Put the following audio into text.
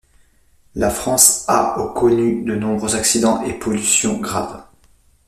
La France a au connu de nombreux accidents et pollutions graves.